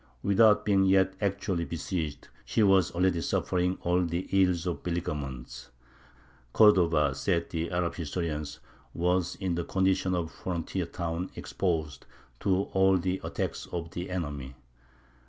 "Without being yet actually besieged, she was already suffering all the ills of beleaguerment." "Cordova," said the Arab historians, "was in the condition of a frontier town exposed to all the attacks of the enemy."